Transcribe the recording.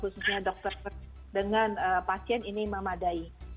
khususnya dokter dengan pasien ini memadai